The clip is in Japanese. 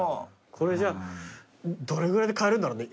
これじゃあどれぐらいで買えるんだろうね？